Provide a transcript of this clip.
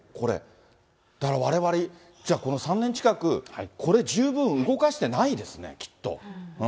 だからわれわれ、じゃあ、この３年近くこれ十分動かしてないですね、きっと。